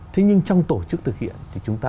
thế nhưng trong tổ chức thực hiện thì chúng ta